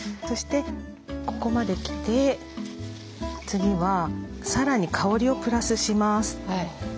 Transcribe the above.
そしてここまで来て次はさらに香りをプラスします。